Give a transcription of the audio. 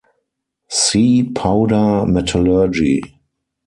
See powder metallurgy.